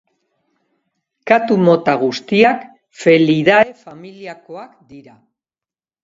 Katu mota guztiak Felidae familiakoak dira.